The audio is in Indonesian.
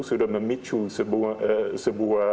sudah memicu sebuah